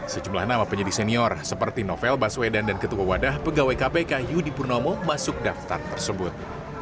sejumlah nama penyidik senior seperti novel baswedan dan ketua wadah pegawai kpk yudi purnomo masuk daftar tersebut